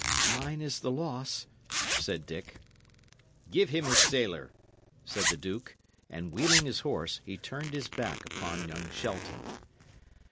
"Mine is the loss," said Dick. "Give him his sailor," said the duke; and wheeling his horse, he turned his back upon young Shelton.